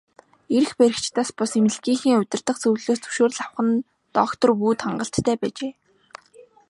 Эрх баригчдаас бус, эмнэлгийнхээ удирдах зөвлөлөөс зөвшөөрөл авах нь л доктор Вүд хангалттай байжээ.